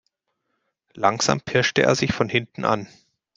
Langsam pirschte er sich von hinten an.